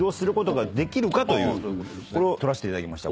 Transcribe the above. これを撮らせていただきました。